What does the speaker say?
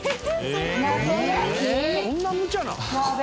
そんなむちゃな。